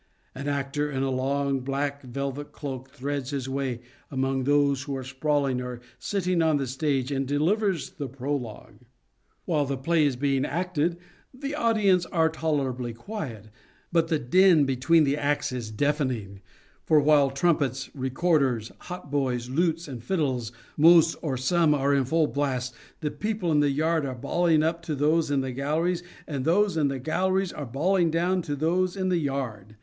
An actor in a long black velvet cloak threads his way among those who are sprawling or sitting on the stage and delivers the prologue. While the play is being acted the audience are tolerably quiet. But the din between the acts is deafening, for while trumpets, recorders, hautboys, lutes, and fiddles, most or some, are in full blast, the people in the yard are bawHng up to those in the galleries and those in the galleries are bawling down to those in the yard.